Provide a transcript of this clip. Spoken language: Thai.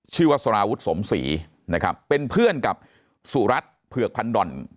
ชื่อว่าสารวุฒิสมศรีนะครับเป็นเพื่อนกับสุรัตน์เผือกพันด่อน